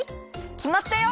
きまったよ！